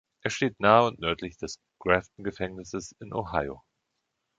Es steht nahe und nördlich des Grafton-Gefängnisses in Ohio.